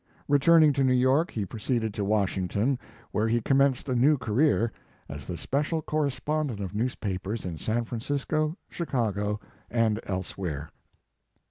Returning to New York, he proceeded to Washington, where he commenced a new career, as the special correspondent ol newspapers in San Francisco, Chicago, and elsewhere.